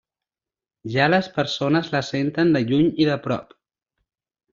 Ja les persones la senten de lluny i de prop.